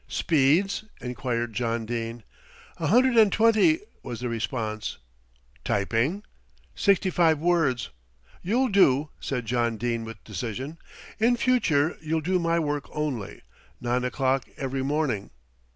"Speeds?" enquired John Dene. "A hundred and twenty " was the response. "Typing?" "Sixty five words " "You'll do," said John Dene with decision. "In future you'll do my work only. Nine o'clock, every morning."